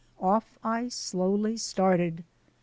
Off I slowly started.